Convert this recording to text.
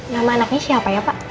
nama anaknya siapa ya pak